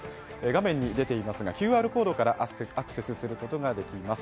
画面に出ていますが、ＱＲコードからアクセスすることができます。